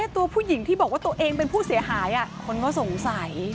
ตัวผู้หญิงที่บอกว่าตัวเองเป็นผู้เสียหายคนก็สงสัย